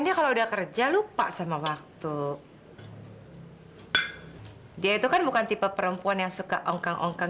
ya kalau nanti kamu nikah dengan siapa